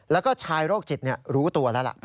แล้วก็ชายโรคจิตรู้ตัวแล้วล่ะ